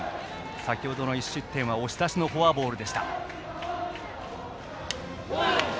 先程の１失点は押し出しのフォアボール。